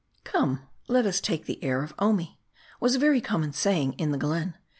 " Come let us take the air of Omi," was a very common saying in the glen.